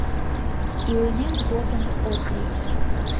Илымем годым от лий!